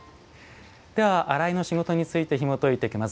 では「洗いの仕事」についてひもといていきます